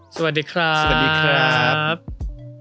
สวัสดีครับสวัสดีครับ